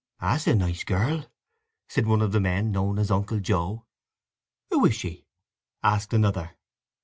"That's a nice girl," said one of the men known as Uncle Joe. "Who is she?" asked another.